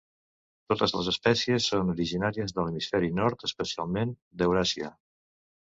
Totes les espècies són originàries de l'hemisferi nord, especialment d'Euràsia.